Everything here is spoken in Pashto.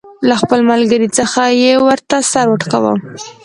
له خپل ملګري څخه یې ورته سر وټکاوه.